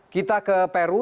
kita ke peru